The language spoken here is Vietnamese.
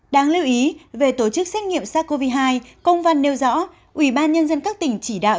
đáng lưu ý về tổ chức xét nghiệm sars cov hai công văn nêu rõ ủy ban nhân dân các tỉnh chỉ đạo